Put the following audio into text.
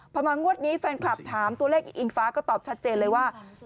พอมางวดนี้แฟนคลับถามตัวเลขอิงฟ้าก็ตอบชัดเจนเลยว่า